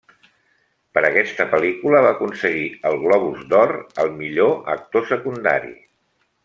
Per aquesta pel·lícula va aconseguir el Globus d'Or al millor actor secundari.